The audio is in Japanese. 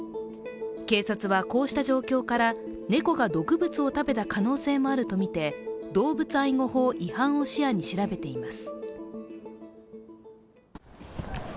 警察は、こうした状況から猫が毒物を食べた可能性もあるとみて動物愛護法違反を視野に調べています。